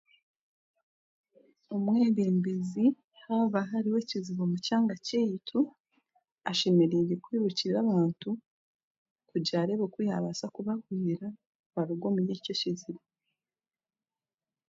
Omwebembezi haaba hariho ekizibu omu kyanga kyaitu, ashemereire kwirukira ahantu kugira areebe nk'okuyaakubaasa kubahwera baruge omuri ekyo kizibu